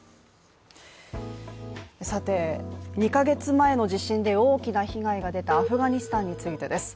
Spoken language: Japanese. ２カ月前の地震で大きな被害が出たアフガニスタンについてです。